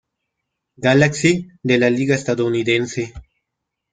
Galaxy de la Liga Estadounidense.